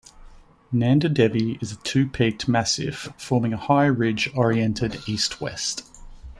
Nanda Devi is a two-peaked massif, forming a high ridge, oriented east-west.